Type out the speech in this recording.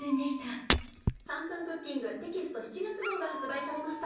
『３分クッキング』テキスト７月号が発売されました。